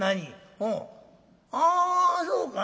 ああそうか。